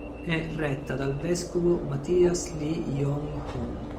È retta dal vescovo Mathias Lee Yong-Hoon.